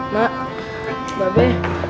mak mbak be